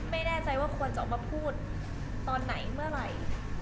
ไม่แน่ใจว่าควรจะออกมาพูดตอนไหนเมื่อไหร่